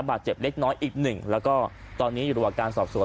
บาดเจ็บเล็กน้อยอีกหนึ่งแล้วก็ตอนนี้อยู่ระหว่างการสอบสวน